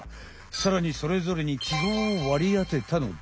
さらにそれぞれに記号をわりあてたのだ。